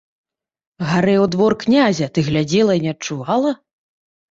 Гарэў двор князя, ты глядзела і не адчувала?